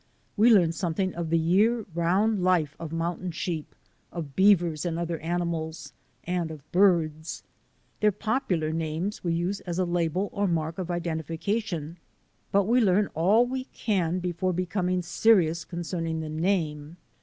We learn something of the year round life of mountain sheep, of beavers and other animals, and of birds. Their popular names we use as a label or mark of identi fication; but we learn all we can before becoming serious concerning the name.